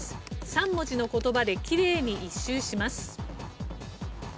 ３文字の言葉できれいに１周します。